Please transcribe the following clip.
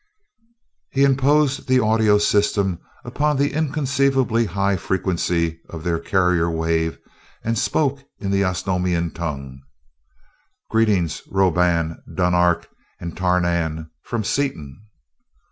He imposed the audio system upon the inconceivably high frequency of their carrier wave and spoke in the Osnomian tongue. "Greetings, Roban, Dunark, and Tarnan, from Seaton."